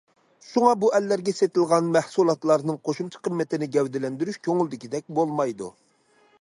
شۇڭا، بۇ ئەللەرگە سېتىلغان مەھسۇلاتلارنىڭ قوشۇمچە قىممىتىنى گەۋدىلەندۈرۈش كۆڭۈلدىكىدەك بولمايدۇ.